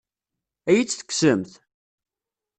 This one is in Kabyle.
Ad iyi-tt-tekksemt?